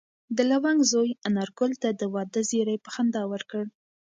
د لونګ زوی انارګل ته د واده زېری په خندا ورکړ.